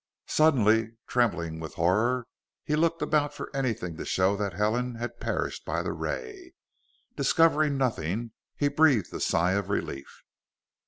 Suddenly trembling with horror, he looked about for anything to show that Helen had perished by the ray. Discovering nothing, he breathed a sigh of relief.